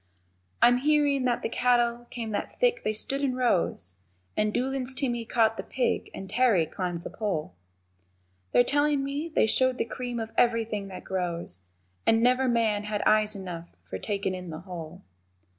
I'm hearin' that the cattle came that thick they stood in rows, And Doolan's Timmy caught the pig and Terry climbed the pole, They're tellin' me they showed the cream of everything that grows, And never man had eyes enough for takin' in the whole.